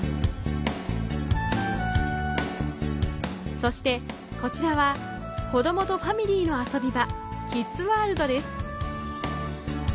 そして、こちらは子どもとファミリーの遊び場、キッズワールドです。